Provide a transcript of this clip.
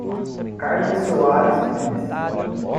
Carmem Soares Pires